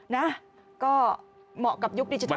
นะก็เหมาะกับยุคดิจิทัลแบบนี้